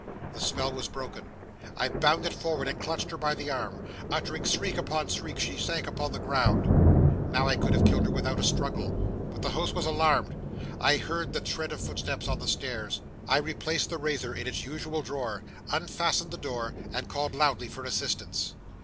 The spell was broken. I bounded forward, and clutched her by the arm. Uttering shriek upon shriek, she sank upon the ground. 'Now I could have killed her without a struggle; but the house was alarmed. I heard the tread of footsteps on the stairs. I replaced the razor in its usual drawer, unfastened the door, and called loudly for assistance.